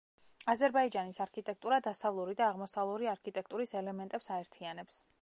აზერბაიჯანის არქიტექტურა დასავლური და აღმოსავლური არქიტექტურის ელემენტებს აერთიანებს.